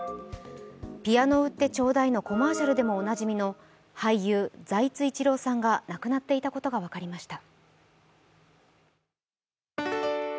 「ピアノ売ってちょうだい！」のコマーシャルでも有名の俳優・財津一郎さんが亡くなっていたことが分かりました。